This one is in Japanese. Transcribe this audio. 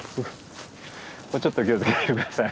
ここちょっと気を付けて下さい。